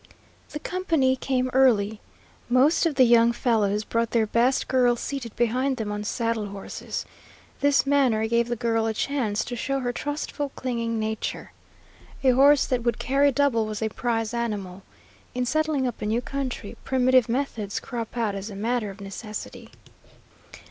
The company came early. Most of the young fellows brought their best girls seated behind them on saddle horses. This manner gave the girl a chance to show her trustful, clinging nature. A horse that would carry double was a prize animal. In settling up a new country, primitive methods crop out as a matter of necessity.